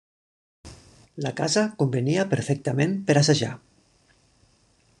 La casa convenia perfectament per assajar.